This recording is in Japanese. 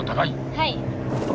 はい。